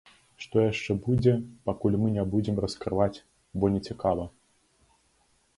Што яшчэ будзе, пакуль мы не будзем раскрываць, бо не цікава.